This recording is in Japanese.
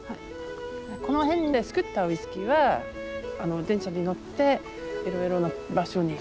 この辺で造ったウイスキーは電車に乗っていろいろな場所に運んで。